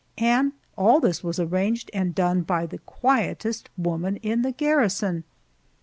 And all this was arranged and done by the quietest woman in the garrison!